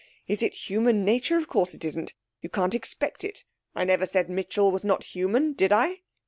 Is it human nature? Of course it isn't. You can't expect it. I never said Mitchell was not human did I?'